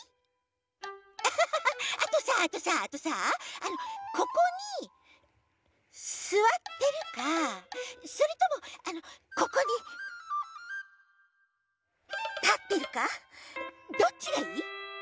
あとさあとさあとさここにすわってるかそれともあのここにたってるかどっちがいい？